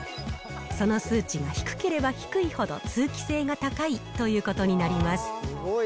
その数値が低ければ低いほど通気性が高いということになります。